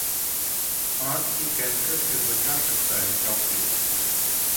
आंत के कैंसर से बचा सकता है चॉकलेट!